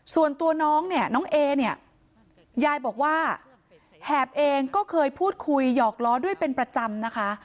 ส่วนตัวน้องเนี่ยน้องเอเนี่ยยายบอกว่าแหบเองก็เคยพูดคุยหยอกล้อด้วยเป็นประจำนะคะ